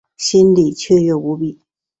心里雀跃无比